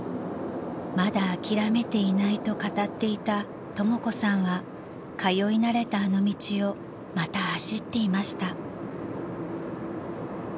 ［まだ諦めていないと語っていたとも子さんは通い慣れたあの道をまた走っていました］